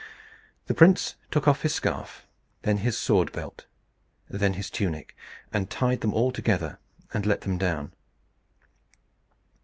The prince took off his scarf, then his sword belt, then his tunic, and tied them all together, and let them down.